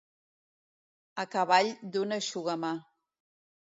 A cavall d'un eixugamà.